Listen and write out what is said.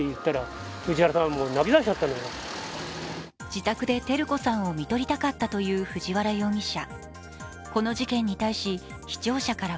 自宅で照子さんをみとりたかったという藤原容疑者。